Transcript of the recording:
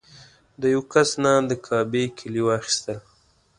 د یوه کس نه د کعبې کیلي واخیستله.